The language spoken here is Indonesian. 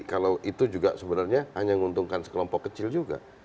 kalau itu juga sebenarnya hanya menguntungkan sekelompok kecil juga